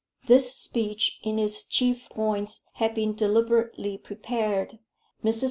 This speech, in its chief points, had been deliberately prepared. Mrs.